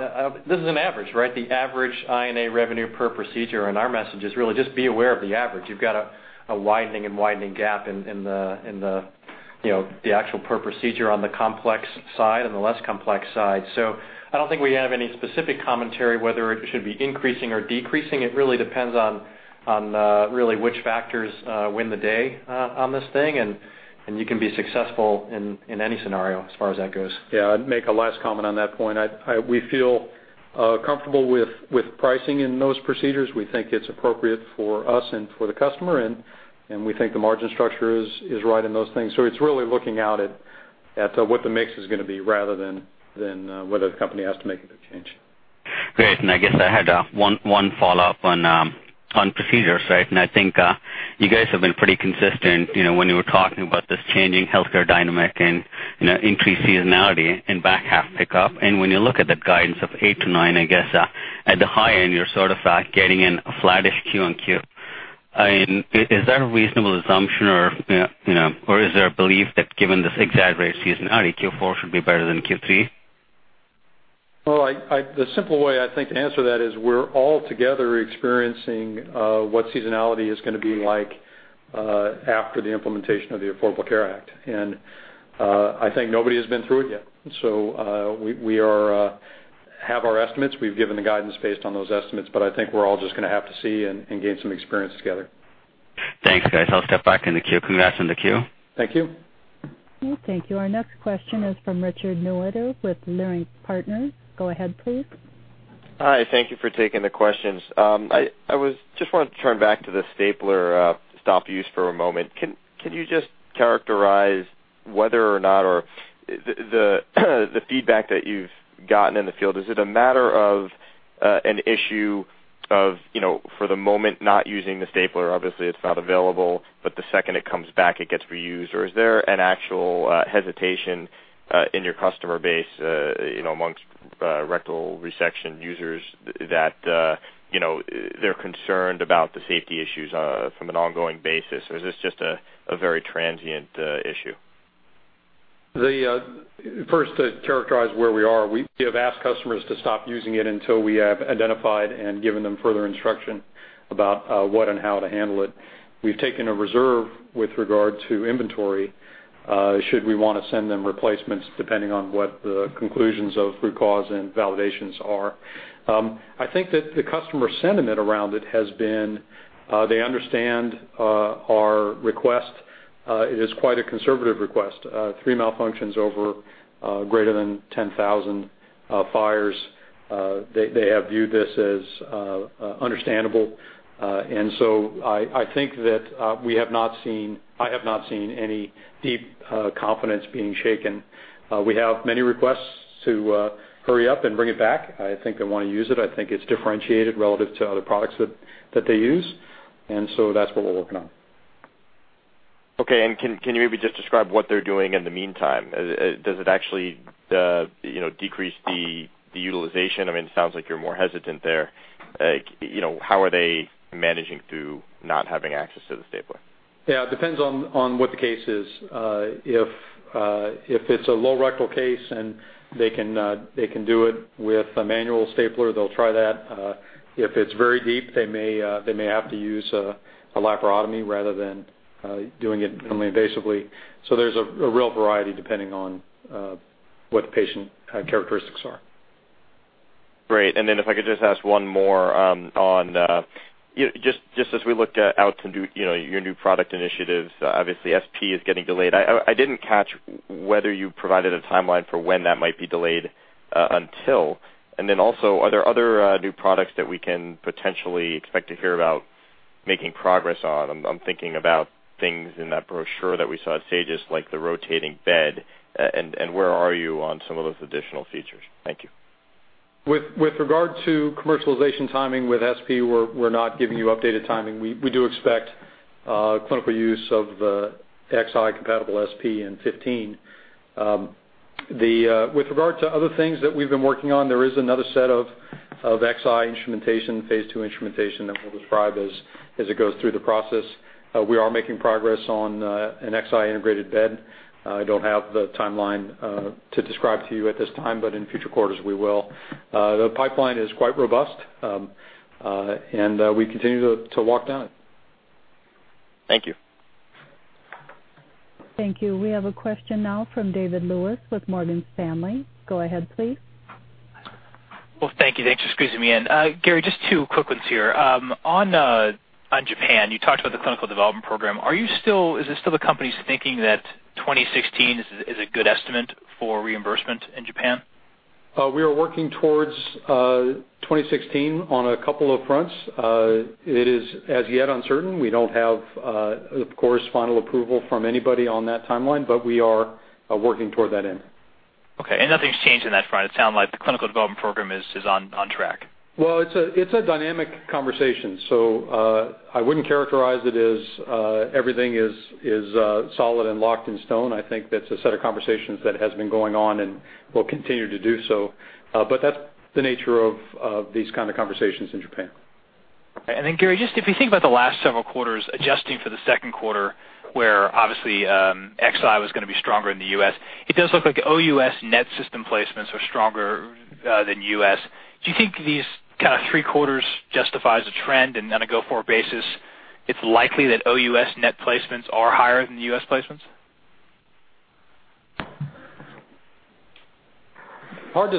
This is an average, right? The average INA revenue per procedure. Our message is really just be aware of the average. You've got a widening and widening gap in the actual per procedure on the complex side and the less complex side. I don't think we have any specific commentary whether it should be increasing or decreasing. It really depends on really which factors win the day on this thing, and you can be successful in any scenario as far as that goes. I'd make a last comment on that point. We feel comfortable with pricing in those procedures. We think it's appropriate for us and for the customer, and we think the margin structure is right in those things. It's really looking out at what the mix is going to be rather than whether the company has to make a good change. Great. I guess I had one follow-up on procedures, right? I think you guys have been pretty consistent when you were talking about this changing healthcare dynamic and increased seasonality and back half pickup. When you look at the guidance of eight to nine, I guess at the high end, you're sort of getting in a flattish Q on Q. Is that a reasonable assumption or is there a belief that given this exaggerated seasonality, Q4 should be better than Q3? Well, the simple way I think to answer that is we're all together experiencing what seasonality is going to be like after the implementation of the Affordable Care Act. I think nobody has been through it yet. We have our estimates. We've given the guidance based on those estimates, but I think we're all just going to have to see and gain some experience together. Thanks, guys. I'll step back in the queue. Congrats on the Q. Thank you. Okay. Thank you. Our next question is from Richard Newitter with Leerink Partners. Go ahead, please. Hi, thank you for taking the questions. I just wanted to turn back to the stapler stop use for a moment. Can you just characterize whether or not, or the feedback that you've gotten in the field, is it a matter of an issue of for the moment not using the stapler? Obviously, it's not available, but the second it comes back it gets reused. Or is there an actual hesitation in your customer base amongst rectal resection users that they're concerned about the safety issues from an ongoing basis, or is this just a very transient issue? First, to characterize where we are, we have asked customers to stop using it until we have identified and given them further instruction about what and how to handle it. We've taken a reserve with regard to inventory, should we want to send them replacements, depending on what the conclusions of root cause and validations are. I think that the customer sentiment around it has been they understand our request. It is quite a conservative request, three malfunctions over greater than 10,000 fires. They have viewed this as understandable. I think that I have not seen any deep confidence being shaken. We have many requests to hurry up and bring it back. I think they want to use it. I think it's differentiated relative to other products that they use. That's what we're working on. Okay. Can you maybe just describe what they're doing in the meantime? Does it actually decrease the utilization? It sounds like you're more hesitant there. How are they managing through not having access to the stapler? Yeah, it depends on what the case is. If it's a low rectal case and they can do it with a manual stapler, they'll try that. If it's very deep, they may have to use a laparotomy rather than doing it minimally invasively. There's a real variety depending on what the patient characteristics are. Great. If I could just ask one more on just as we look out to your new product initiatives, obviously SP is getting delayed. I didn't catch whether you provided a timeline for when that might be delayed until. Also, are there other new products that we can potentially expect to hear about making progress on? I'm thinking about things in that brochure that we saw at SAGES, like the rotating bed. Where are you on some of those additional features? Thank you. With regard to commercialization timing with SP, we're not giving you updated timing. We do expect clinical use of XI compatible SP in 2015. With regard to other things that we've been working on, there is another set of XI instrumentation, phase II instrumentation that we'll describe as it goes through the process. We are making progress on an XI integrated bed. I don't have the timeline to describe to you at this time, but in future quarters, we will. The pipeline is quite robust, and we continue to walk down it. Thank you. Thank you. We have a question now from David Lewis with Morgan Stanley. Go ahead, please. Well, thank you. Thanks for squeezing me in. Gary, just two quick ones here. On Japan, you talked about the clinical development program. Is it still the company's thinking that 2016 is a good estimate for reimbursement in Japan? We are working towards 2016 on a couple of fronts. It is as yet uncertain. We don't have, of course, final approval from anybody on that timeline, but we are working toward that end. Okay, nothing's changed on that front. It sounds like the clinical development program is on track. Well, it's a dynamic conversation, so I wouldn't characterize it as everything is solid and locked in stone. I think that's a set of conversations that has been going on and will continue to do so. That's the nature of these kind of conversations in Japan. Gary, just if you think about the last several quarters adjusting for the second quarter, where obviously Xi was going to be stronger in the U.S., it does look like OUS net system placements are stronger than U.S. Do you think these kind of three quarters justifies a trend and on a go-forward basis, it's likely that OUS net placements are higher than the U.S. placements? Hard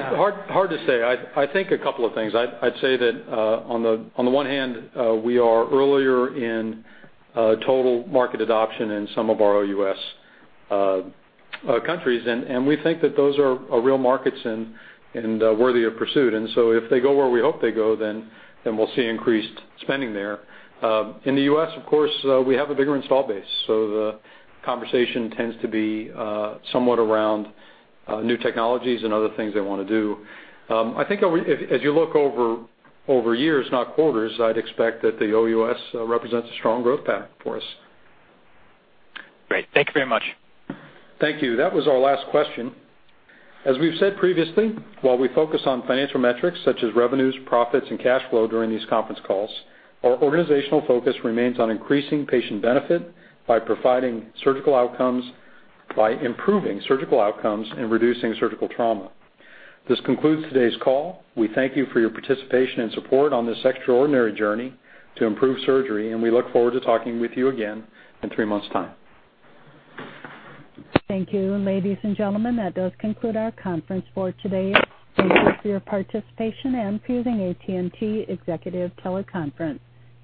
to say. I think a couple of things. I'd say that on the one hand, we are earlier in total market adoption in some of our OUS countries, and we think that those are real markets and worthy of pursuit. If they go where we hope they go, we'll see increased spending there. In the U.S., of course, we have a bigger install base, so the conversation tends to be somewhat around new technologies and other things they want to do. I think as you look over years, not quarters, I'd expect that the OUS represents a strong growth path for us. Great. Thank you very much. Thank you. That was our last question. As we've said previously, while we focus on financial metrics such as revenues, profits, and cash flow during these conference calls, our organizational focus remains on increasing patient benefit by providing surgical outcomes, by improving surgical outcomes, and reducing surgical trauma. This concludes today's call. We thank you for your participation and support on this extraordinary journey to improve surgery, and we look forward to talking with you again in three months' time. Thank you. Ladies and gentlemen, that does conclude our conference for today. Thank you for your participation and for using AT&T Executive Teleconference.